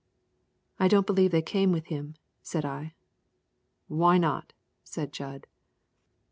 "I don't believe they came with him," said I. "Why not?" said Jud.